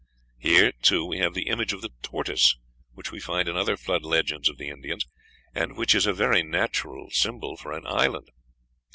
Here, too, we have the image of the tortoise, which we find in other flood legends of the Indians, and which is a very natural symbol for an island.